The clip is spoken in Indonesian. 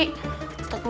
tak usah tak usah